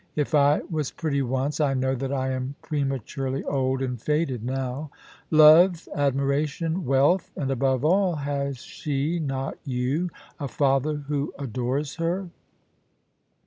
If I was pretty once, I know that I am prema turely old and faded now — love, admiration, wealth ; and above all, has she not you — a father who adores her